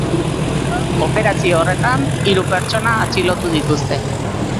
Operazio horretan hiru pertsona atxilotu dituzte.